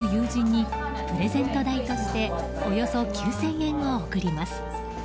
インドにいる友人にプレゼント代としておよそ９０００円を送ります。